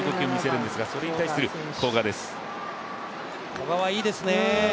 古賀はいいですね。